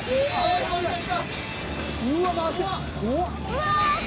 うわ。